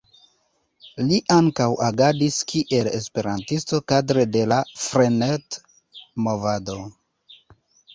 Li ankaŭ agadis kiel esperantisto kadre de la Frenet-movado.